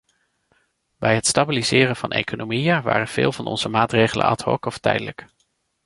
Bij het stabiliseren van economieën waren veel van onze maatregelen ad hoc of tijdelijk.